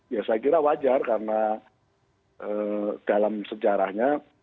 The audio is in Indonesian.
ya saya kira wajar karena dalam sejarahnya